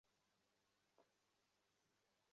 বিভা চুপ করিয়া কাঁদিতে লাগিল, ভালো বুঝিল না।